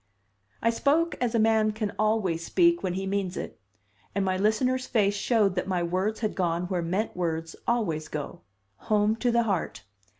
I spoke as a man can always speak when he means it; and my listener's face showed that my words had gone where meant words always go home to the heart.